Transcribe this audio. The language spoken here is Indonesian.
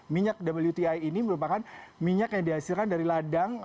minyak wti ini merupakan minyak yang dihasilkan dari ladang